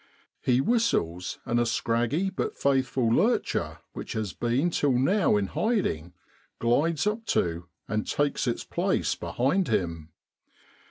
(He whistles, and a scraggy, but faithful lurcher, which has been till now in hiding, glides up to, and takes its place behind him.)